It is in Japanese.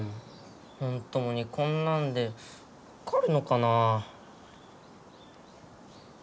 本当にこんなんでわかるのかな？